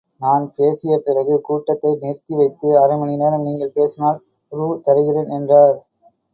நான்பேசிய பிறகு கூட்டத்தை நிறுத்தி வைத்து அரைமணி நேரம் நீங்கள் பேசினால் ரூ. தருகிறேன் என்றார்.